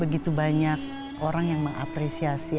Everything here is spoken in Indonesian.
begitu banyak orang yang mengapresiasi